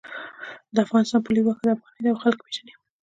د افغانستان پولي واحد افغانۍ ده او خلک یی پیژني